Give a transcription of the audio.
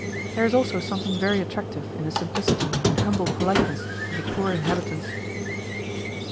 There is also something very attractive in the simplicity and humble politeness of the poor inhabitants.